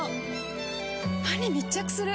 歯に密着する！